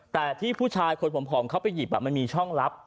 แต่ที่ผู้ชายคนผอมเข้าไปหยิบมันมีช่องลับ